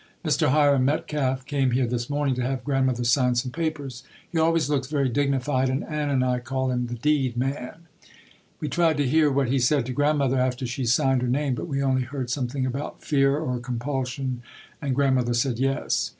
Mr. Hiram Metcalf came here this morning to have Grandmother sign some papers. He always looks very dignified, and Anna and I call him "the deed man." We tried to hear what he said to Grandmother after she signed her name but we only heard something about "fear or compulsion" and Grandmother said "yes."